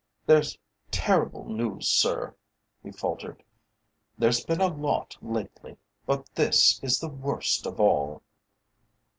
"There's terrible news, sir," he faltered. "There's been a lot lately, but this is the worst of all."